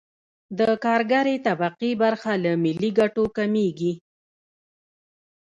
د کارګرې طبقې برخه له ملي ګټو کمېږي